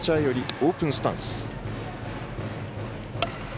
オープンスタンス。